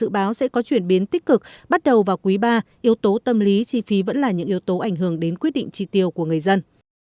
dự báo sẽ có chuyển biến tích cực bắt đầu vào quý ba yếu tố tâm lý chi phí vẫn là những yếu tố ảnh hưởng đến quyết định tri tiêu của người dân